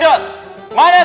tepung tangan kalian